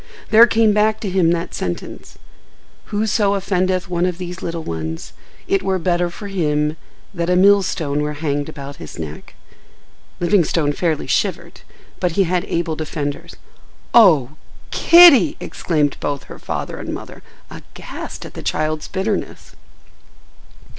There came back to him that sentence, "Whoso offendeth one of these little ones, it were better for him that a millstone were hanged about his neck—." Livingstone fairly shivered, but he had able defenders. "Oh, Kitty!" exclaimed both her father and mother, aghast at the child's bitterness.